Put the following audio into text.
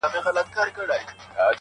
د ځوانیمرګو زړو تاوده رګونه،